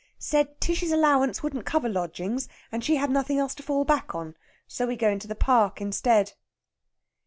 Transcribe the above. "Said Tishy's allowance wouldn't cover lodgings, and she had nothing else to fall back on. So we go into the Park instead."